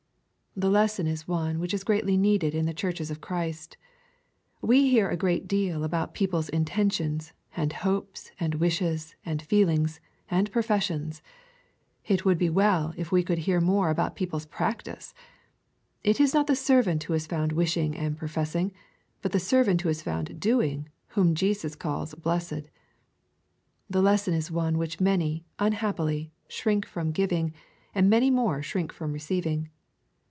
The lesson is one which is greatly neeocJ in the churches of Christ. We hear a great deal about peo ple's intentions, and hopes, and wishes, and feelings, and professions. It would be well if we could hear more about people's practice. It is not the servant who is found wishing and professing, but the servant who is found " doing" whom Jesus calls " blessed." The lesson is one which many, unhappily, shrink from giving, and many more shrink from receiving.